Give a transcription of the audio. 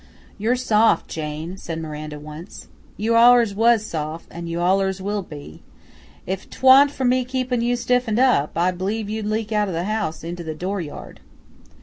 "You're soft, Jane," said Miranda once; "you allers was soft, and you allers will be. If 't wa'n't for me keeping you stiffened up, I b'lieve you'd leak out o' the house into the dooryard."